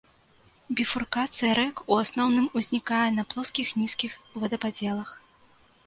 Біфуркацыя рэк у асноўным узнікае на плоскіх нізкіх водападзелах.